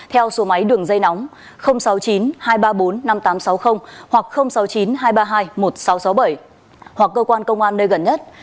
theo số máy đường dây nóng sáu mươi chín hai trăm ba mươi bốn năm nghìn tám trăm sáu mươi hoặc sáu mươi chín hai trăm ba mươi hai một nghìn sáu trăm sáu mươi bảy hoặc cơ quan công an nơi gần nhất